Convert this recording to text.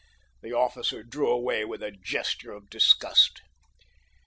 The officer drew away with a gesture of disgust.